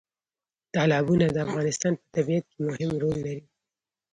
تالابونه د افغانستان په طبیعت کې مهم رول لري.